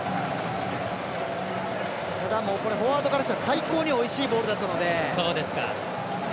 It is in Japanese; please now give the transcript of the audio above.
ただフォワードからしたら最高においしいボールだったので。